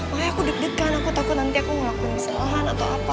makanya aku deg deg kan aku takut nanti aku ngelakuin kesalahan atau apa